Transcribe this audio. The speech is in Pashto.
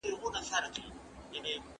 چي د مجنون په تلاښ ووزمه لیلا ووینم